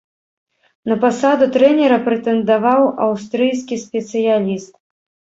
На пасаду трэнера прэтэндаваў аўстрыйскі спецыяліст.